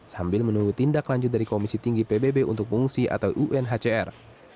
sambil menunggu tindak lanjut dari komisi tinggi pbb untuk pengungsi atau unhcr